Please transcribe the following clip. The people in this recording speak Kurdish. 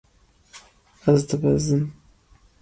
Ez dibezim.